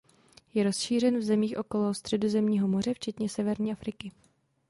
Je rozšířen v zemích okolo Středozemního moře včetně severní Afriky.